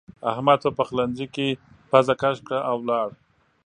احمد په پخلنځ کې پزه کش کړه او ولاړ.